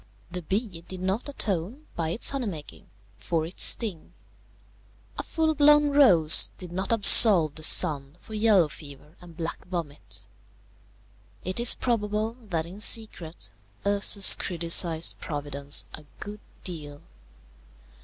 The bee did not atone, by its honey making, for its sting; a full blown rose did not absolve the sun for yellow fever and black vomit. It is probable that in secret Ursus criticized Providence a good deal.